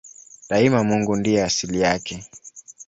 Daima Mungu ndiye asili yake.